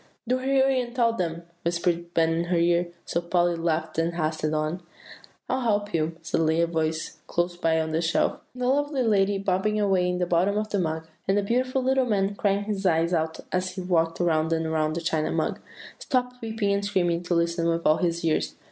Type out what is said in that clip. "Do hurry, and tell them," whispered Ben in her ear; so Polly laughed and hastened on. "'I'll help you,' suddenly said a voice close by on the shelf. The lovely lady bobbing away in the very bottom of the mug, and the beautiful little man crying his eyes out as he walked around and around the China Mug, stopped weeping and screaming to listen with all their ears.